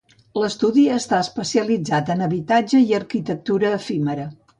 L’estudi està especialitzat en habitatge i arquitectura efímera.